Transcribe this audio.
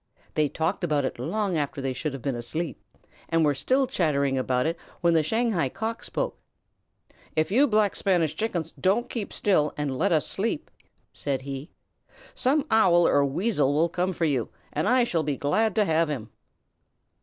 They talked about it long after they should have been asleep, and were still chattering when the Shanghai Cock spoke: "If you Black Spanish Chickens don't keep still and let us sleep," said he, "some Owl or Weasel will come for you, and I shall be glad to have him!"